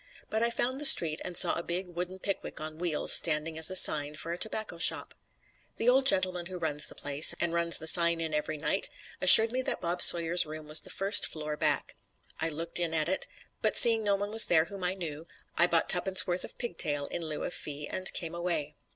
But I found the street and saw a big, wooden Pickwick on wheels standing as a sign for a tobacco shop. The old gentleman who runs the place, and runs the sign in every night, assured me that Bob Sawyer's room was the first floor back. I looked in at it, but seeing no one there whom I knew, I bought tuppence worth of pigtail in lieu of fee, and came away.